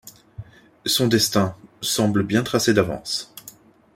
Son destin semble bien tracé d‘avance.